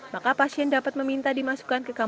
maka pasien dapat meminta dimasukkan kekeluargaan